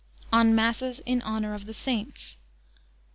On Masses in honour of the Saints.